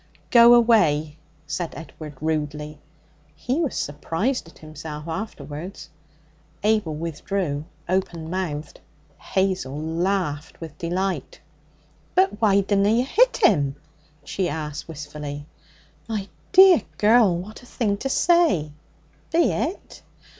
'Go away!' said Edward rudely. He was surprised at himself afterwards. Abel withdrew open mouthed. Hazel laughed with delight. 'But why didna you hit 'un?' she asked wistfully. 'My dear girl! What a thing to say!' 'Be it?'